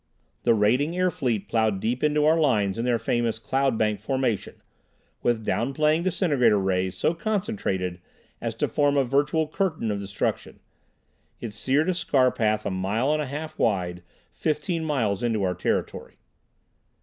The raiding air fleet ploughed deep into our lines in their famous "cloud bank" formation, with down playing disintegrator rays so concentrated as to form a virtual curtain of destruction. It seared a scar path a mile and a half wide fifteen miles into our territory.